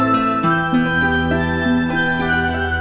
lima mertua kamu cek